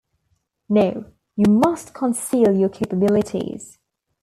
No, you must conceal your capabilities.